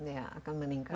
ya akan meningkat